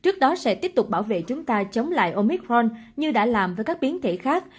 trước đó sẽ tiếp tục bảo vệ chúng ta chống lại omicron như đã làm với các biến thể khác